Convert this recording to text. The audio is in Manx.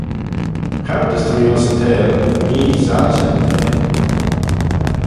Choud as ta mee ayns y theihll, mee soilshey yn theihll.